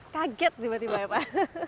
kaget tiba tiba ya pak